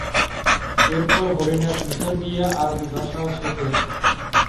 এরপর হরিনাথ মিশর গিয়ে আরবি ভাষাও শেখেন।